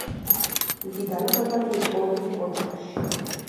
იგი დაიბადა ლტოლვილ ოჯახში.